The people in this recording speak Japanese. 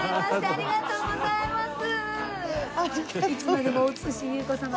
ありがとうございます。